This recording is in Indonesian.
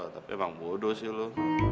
tapi emang bodo sih lu